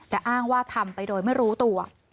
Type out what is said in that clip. อ้างว่าทำไปโดยไม่รู้ตัว